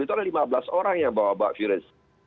itu ada lima belas orang yang bawa bak virus